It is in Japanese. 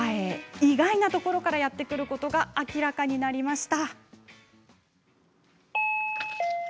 意外なところからやってくることが明らかになりました。